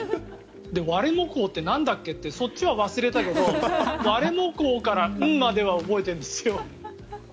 ワレモコウってなんだっけってそっちは忘れたけどワレモコウからンまでは覚えているんですよ。